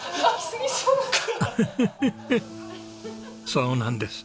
そうなんです。